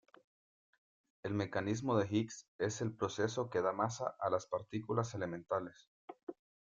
El mecanismo de Higgs es el proceso que da masa a las partículas elementales.